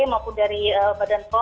maupun dari badan pom